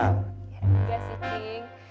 ya enggak sih cing